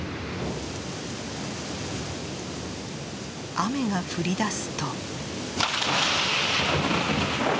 雨が降りだすと。